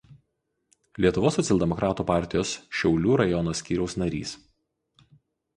Lietuvos socialdemokratų partijos Šiaulių rajono skyriaus narys.